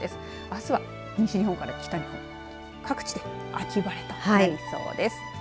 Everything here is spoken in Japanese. あすは、西日本から北日本各地で秋晴れとなりそうです。